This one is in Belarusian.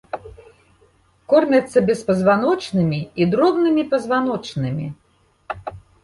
Кормяцца беспазваночнымі і дробнымі пазваночнымі.